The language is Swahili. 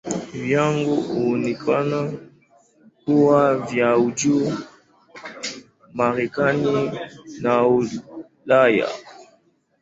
Viwango huonekana kuwa vya juu Marekani na Ulaya.